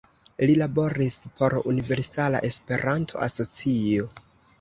Li laboris por Universala Esperanto Asocio.